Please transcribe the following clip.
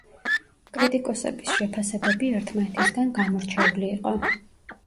კრიტიკოსების შეფასებები ერთმანეთისგან გამორჩეული იყო.